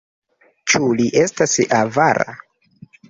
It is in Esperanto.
Ĉu li estas avara?